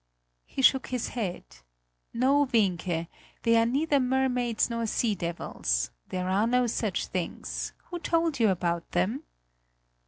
He shook his head: "No, Wienke, they are neither mermaids nor sea devils; there are no such things; who told you about them?"